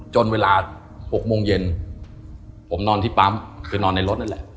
จนเวลา๖โมงเย็นผมนอนที่ปั๊มคือนอนในรถนั่นแหละ